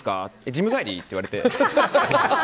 ジム帰り？って言われて。